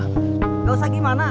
gak usah gimana